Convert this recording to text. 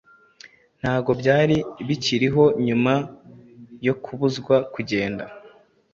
Ntabwo byari bikiriho nyuma yo kubuzwa kugenda